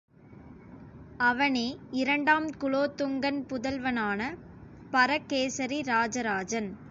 அவனே இரண்டாம் குலோத்துங்கன் புதல்வனான பரகேசரி ராஜராஜன்.